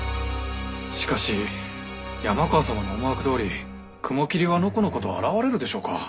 しかし山川様の思惑どおり雲霧はのこのこと現れるでしょうか？